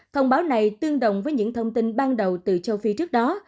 thông báo này tương đồng với những thông tin ban đầu từ châu phi trước đó